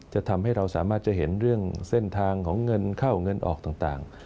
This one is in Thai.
จะทำให้เราสามารถจะเห็นเรื่องเส้นทางของเงินเข้าเงินออกต่าง